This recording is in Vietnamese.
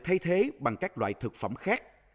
thay thế bằng các loại thực phẩm khác